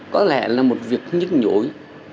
có lẽ là một việc nhức nhối